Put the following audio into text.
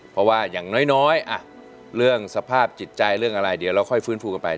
เพราะว่าอย่างน้อยเรื่องสภาพจิตใจเรื่องอะไรเดี๋ยวเราค่อยฟื้นฟูกันไป